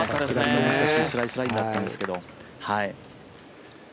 難しいスライスラインだったんですけど。